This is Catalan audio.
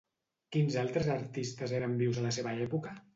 Quins altres artistes eren vius a la seva època?